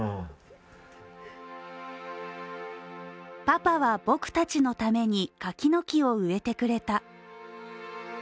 パパは僕たちのために柿の木を植えてくれた。